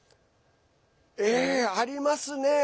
ええ、ありますね。